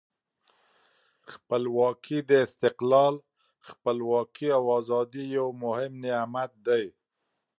خپلواکي د استقلال، خپلواکي او آزادۍ یو مهم نعمت دی.